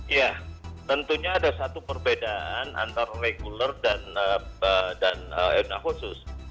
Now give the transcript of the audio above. iya tentunya ada satu perbedaan antara regular dan enak khusus